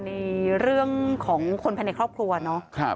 ในเรื่องของคนภายในครอบครัวเนาะ